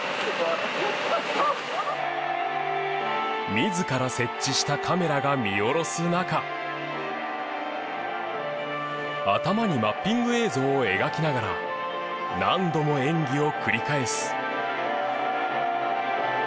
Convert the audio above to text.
自ら設置したカメラが見下ろす中頭にマッピング映像を描きながら何度も演技を繰り返す。